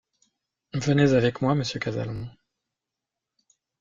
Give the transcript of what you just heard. Venez avec moi, monsieur Kazallon.